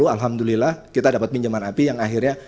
alhamdulillah kita dapat pinjaman api yang akhirnya